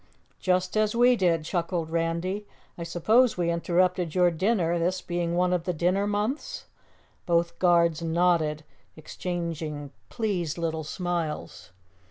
"Just as we did," chuckled Randy. "I suppose we interrupted your dinner, this being one of the dinner months?" Both Guards nodded, exchanging pleased little smiles.